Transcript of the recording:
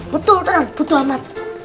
betul betul butuh amat